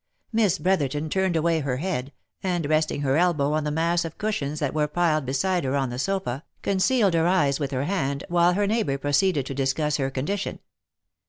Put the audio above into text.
Miss Brotherton turned away her head, and resting her elbow on the mass of cushions that were piled beside her on the sofa, con cealed her eyes with her hand, while her neighbour proceeded to discuss her condition.